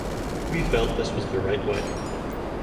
We felt this was the right way.